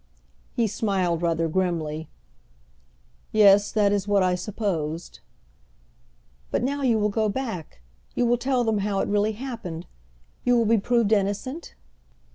He smiled rather grimly. "Yes, that is what I supposed." "But now you will go back, you will tell them how it really happened, you will be proved innocent?"